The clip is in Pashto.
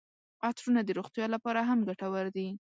عطرونه د روغتیا لپاره هم ګټور دي.